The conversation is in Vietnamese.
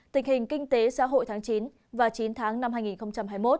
tình hình kinh tế xã hội tháng chín và chín tháng năm hai nghìn hai mươi một